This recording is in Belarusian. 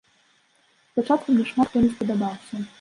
Спачатку мне шмат хто не спадабаўся.